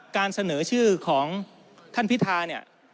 การเสนอชื่อของท่านพิธาเนี่ย